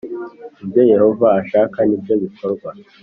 Ibyo Yehova ashaka nibyo bikorwa